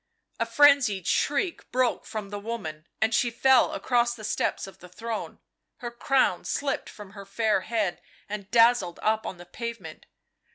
... A frenzied shriek broke from the woman, and she fell across the steps of the throne; her crown slipped from her fair head and dazzled on the pavement.